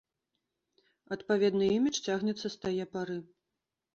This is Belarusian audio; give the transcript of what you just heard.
Адпаведны імідж цягнецца з тае пары.